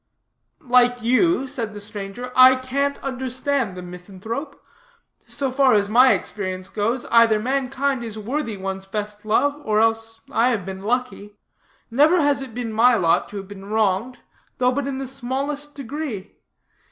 "Like you," said the stranger, "I can't understand the misanthrope. So far as my experience goes, either mankind is worthy one's best love, or else I have been lucky. Never has it been my lot to have been wronged, though but in the smallest degree.